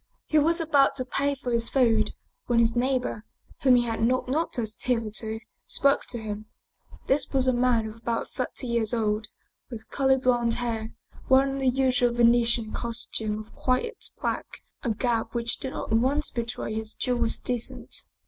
He was about to pay for his food when his neighbor, whom he had not noticed hitherto, spoke to him. This was a man of about thirty years old, with curly blond hair, wearing the usual Venetian costume of quiet black, a garb which did not at once betray his Jewish descent.